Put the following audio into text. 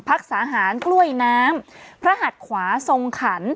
รักษาหารกล้วยน้ำพระหัดขวาทรงขัน